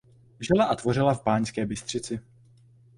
Žila a tvořila v Banské Bystrici.